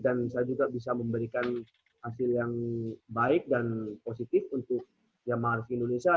dan saya juga bisa memberikan hasil yang baik dan positif untuk yamaha ruki indonesia